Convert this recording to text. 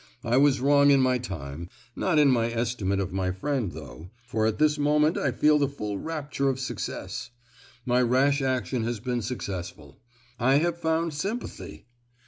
I was wrong in my time, not in my estimate of my friend, though, for at this moment I feel the full rapture of success; my rash action has been successful: I have found sympathy!